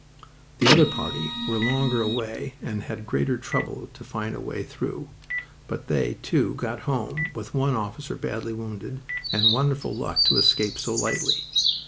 The other party were longer away and had greater trouble to find a way through, but they, too, got home, with one officer badly wounded, and wonderful luck to escape so lightly.